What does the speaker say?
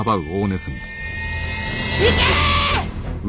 行け！